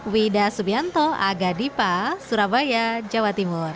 wida subianto aga dipa surabaya jawa timur